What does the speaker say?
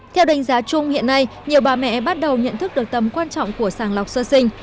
theo đánh giá chung hiện nay nhiều bà mẹ bắt đầu nhận thức được tầm quan trọng của sàng lọc sơ sinh